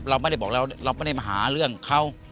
เราไม่ได้มาหาเรื่องเขา